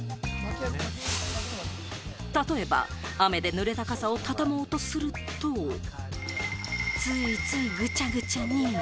例えば、雨で濡れた傘をたたもうとすると、ついつい、ぐちゃぐちゃに。